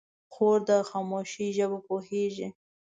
خور د خاموشۍ ژبه پوهېږي.